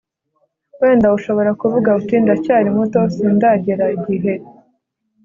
Wenda ushobora kuvuga uti ndacyari muto sindagera igihe